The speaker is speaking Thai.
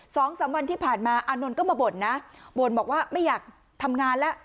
สองสามวันที่ผ่านมาอานนท์ก็มาบ่นนะบ่นบอกว่าไม่อยากทำงานแล้ว